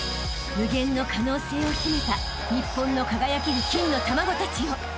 ［無限の可能性を秘めた日本の輝ける金の卵たちよ］